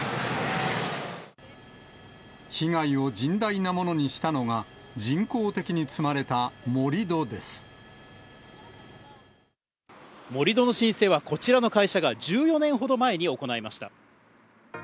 被害を甚大なものにしたのが、盛り土の申請は、こちらの会社が１４年ほど前に行いました。